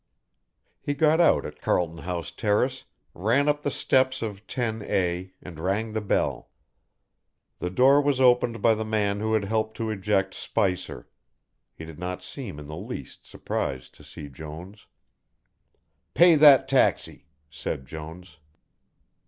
He got out at Carlton House Terrace, ran up the steps of 10A, and rang the bell. The door was opened by the man who had helped to eject Spicer. He did not seem in the least surprised to see Jones. "Pay that taxi," said Jones.